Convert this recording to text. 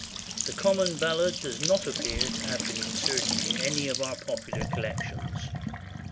The common ballad does not appear to have been inserted in any of our popular collections.